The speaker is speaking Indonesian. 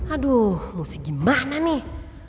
aduh mau sih gimana nih